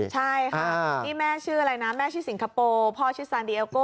ใช่ค่ะนี่แม่ชื่ออะไรนะแม่ชื่อสิงคโปร์พ่อชื่อซานดีโอโก้